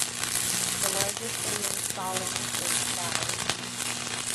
The largest city in Salling is Skive.